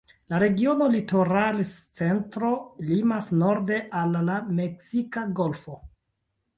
La regiono "Litoral Centro" limas norde al la Meksika Golfo.